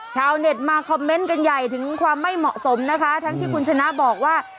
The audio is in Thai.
ชาวเน็ตมาคอมเมนต์กันใหญ่ถึงความไม่เหมาะสมนะคะทั้งที่คุณชนะบอกว่า